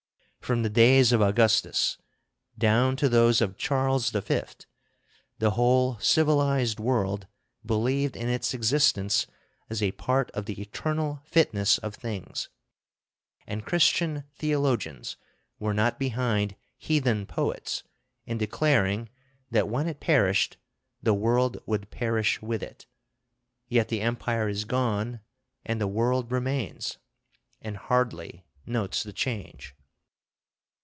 From the days of Augustus down to those of Charles V., the whole civilized world believed in its existence as a part of the eternal fitness of things, and Christian theologians were not behind heathen poets in declaring that when it perished the world would perish with it. Yet the Empire is gone, and the world remains, and hardly notes the change.